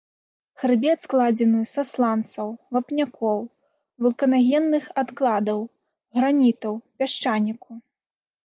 Хрыбет складзены са сланцаў, вапнякоў, вулканагенных адкладаў, гранітаў, пясчаніку.